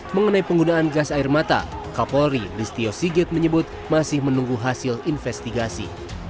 mengenai penggunaan gas air mata kapolri listio sigit menyebut masih menunggu hasil investigasi